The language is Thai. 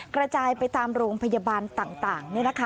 กระจายไปตามโรงพยาบาลต่าง